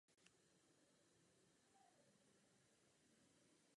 Byl mu udělen Záslužný řád Spolkové republiky Německo a čestný doktorát Haifské univerzity.